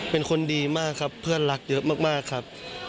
เป็นคนดีมากครับเพื่อนรักเยอะมากครับ